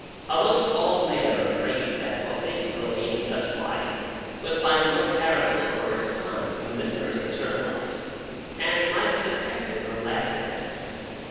Almost all men are afraid that what they could relate in such wise would find no parallel or response in a listener's internal life, and might be suspected or laughed at.